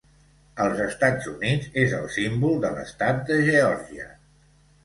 Als Estats Units és el símbol de l'estat de Geòrgia.